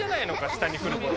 下に来る頃。